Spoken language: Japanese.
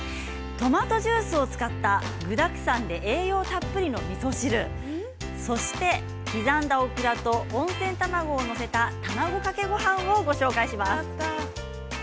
トマトジュースを使った具だくさんで栄養たっぷりのみそ汁そして刻んだオクラと温泉卵を載せた卵かけごはんをご紹介します。